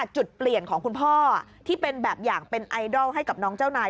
จุดเปลี่ยนของคุณพ่อที่เป็นแบบอย่างเป็นไอดอลให้กับน้องเจ้านาย